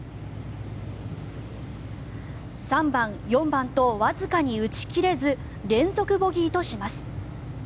３番、４番とわずかに打ち切れず連続ボギーとします。